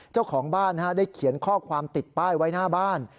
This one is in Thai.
เจ้าของบ้านได้เขียนข้อความติดป้ายไว้หน้าบ้าน